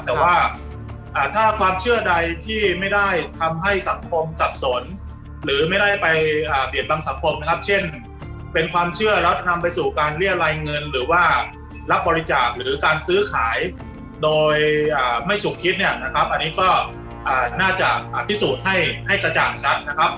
แต่ว่าถ้าความเชื่อใดที่ไม่ได้ทำให้สังคมสับสนหรือไม่ได้ไปเบียดบังสังคมนะครับเช่นเป็นความเชื่อแล้วนำไปสู่การเรียรายเงินหรือว่ารับบริจาคหรือการซื้อขายโดยไม่สุขคิดเนี่ยนะครับอันนี้ก็น่าจะพิสูจน์ให้กระจ่างชัดนะครับ